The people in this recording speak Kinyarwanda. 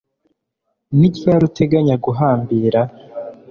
Ni ryari uteganya guhambira